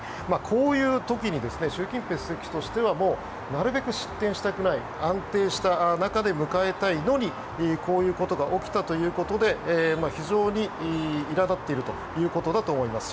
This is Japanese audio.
こういう時に習近平主席としてはなるべく失点したくない安定した中で迎えたいのにこういうことが起きたということで非常にいら立っているということだと思います。